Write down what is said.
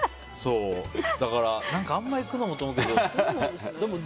何かあんまり行くのもって思うけど。